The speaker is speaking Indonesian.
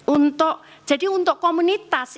untuk jadi untuk komunitas